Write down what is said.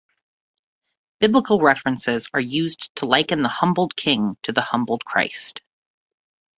Biblical references are used to liken the humbled king to the humbled Christ.